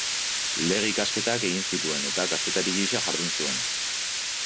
Lege-ikasketak egin zituen eta kazetari gisa jardun zuen.